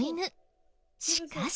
しかし。